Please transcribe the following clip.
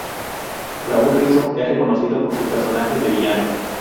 Raúl Rizzo es reconocido por sus personajes de villano.